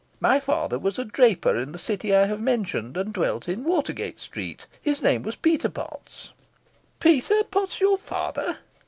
My father was a draper in the city I have mentioned, and dwelt in Watergate street his name was Peter Potts." "Peter Potts your father!"